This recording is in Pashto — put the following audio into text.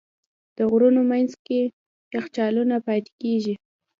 د غرونو منځ کې یخچالونه پاتې کېږي.